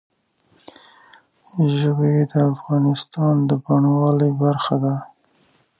ژبې د افغانستان د بڼوالۍ برخه ده.